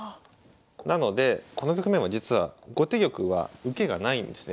なのでこの局面は実は後手玉は受けがないんですね。